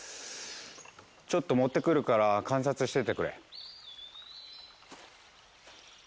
ちょっと持ってくるから観察しててくれ。